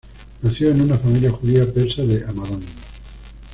Nació en una familia judía persa de Hamadán.